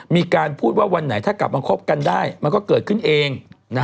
มีการพูดว่าวันไหนถ้ากลับมาคบกันได้มันก็เกิดขึ้นเอง